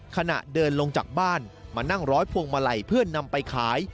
ขณะเดินลงจากบ้านมานั่งร้อยพวงมาลัยเพื่อนำไปขาย